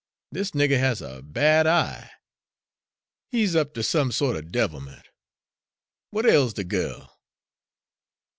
"This nigger has a bad eye, he's up ter some sort of devilment. What ails the girl?"